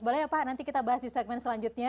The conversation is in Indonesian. boleh ya pak nanti kita bahas di segmen selanjutnya